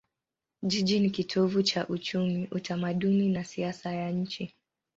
Jiji ni kitovu cha uchumi, utamaduni na siasa ya nchi.